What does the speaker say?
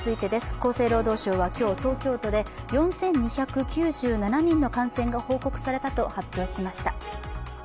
厚生労働省は今日、東京都で４２９７人の感染が報告されたと発表しました。